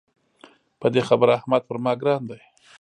په دې خبره احمد پر ما ګران دی.